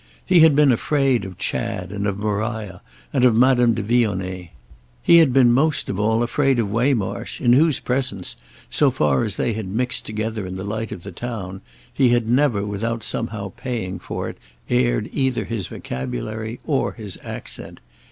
He had been afraid of Chad and of Maria and of Madame de Vionnet; he had been most of all afraid of Waymarsh, in whose presence, so far as they had mixed together in the light of the town, he had never without somehow paying for it aired either his vocabulary or his accent.